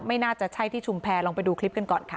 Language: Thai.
ไม่น่าจะใช่ที่ชุมแพรลองไปดูคลิปกันก่อนค่ะ